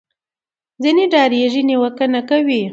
ځینې ډارېږي نیوکه نه کوي